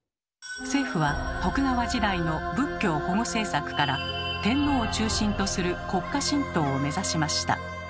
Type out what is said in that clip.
政府は徳川時代の「仏教保護政策」から天皇を中心とする「国家神道」を目指しました。